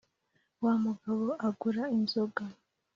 wa mugabo agura inzoga